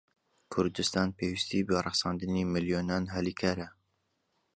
کوردستان پێویستیی بە ڕەخساندنی ملیۆنان هەلی کارە.